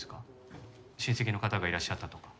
親戚の方がいらっしゃったとか？